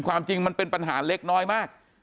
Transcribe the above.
ความจริงมันเป็นปัญหาเล็กน้อยมาก